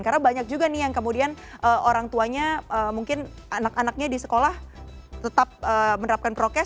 karena banyak juga nih yang kemudian orang tuanya mungkin anak anaknya di sekolah tetap menerapkan prokes